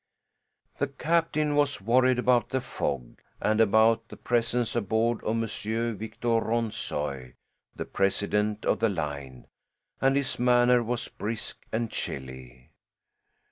The captain was worried about the fog, and about the presence aboard of M. Victor Ronssoy, the president of the line, and his manner was brisk and chilly.